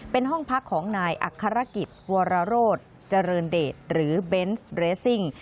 เป็นห้องพักของนายอัครกิจวรโรธเจริญเดชหรือเบนส์เรสซิ่ง